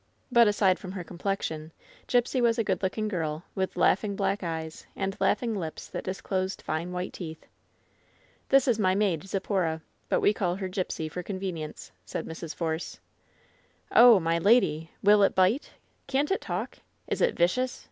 But aside from her complexion, Gipsy was a good looking girl, with laughing black eyes, and laughing lips that disclosed fine white teeth. "This is my maid, Zipporah, but we call her Gipsy for convenience,'' said Mrs. Force. "Oh, my lady! Will it bite? Can't it talk? Is it vicious?"